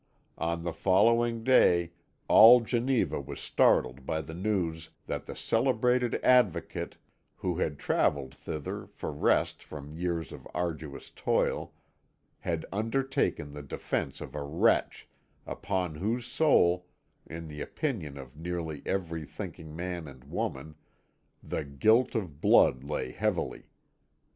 On the following day all Geneva was startled by the news that the celebrated Advocate, who had travelled thither for rest from years of arduous toil, had undertaken the defence of a wretch upon whose soul, in the opinion of nearly every thinking man and woman, the guilt of blood lay heavily.